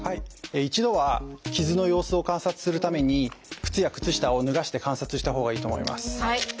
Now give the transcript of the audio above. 一度は傷の様子を観察するために靴や靴下を脱がして観察したほうがいいと思います。